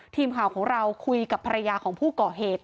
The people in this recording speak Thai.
ทีมข่าวของเราคุยกับภรรยาของผู้ก่อเหตุ